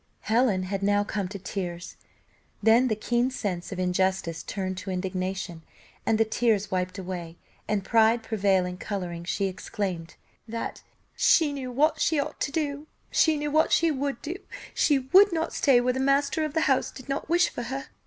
Helen had now come to tears. Then the keen sense of injustice turned to indignation; and the tears wiped away, and pride prevailing, colouring she exclaimed, "That she knew what she ought to do, she knew what she would do she would not stay where the master of the house did not wish for her.